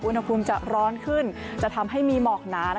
อุณหภูมิจะร้อนขึ้นจะทำให้มีหมอกหนา